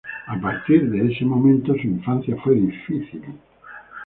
A partir desde ese momento, su infancia fue difícil.